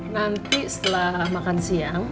nanti setelah makan siang